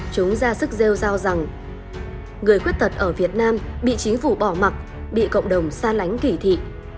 chúng ra sức rêu rao rằng người khuyết tật ở việt nam bị chính phủ bỏ mặt bị cộng đồng sa lánh kỷ thị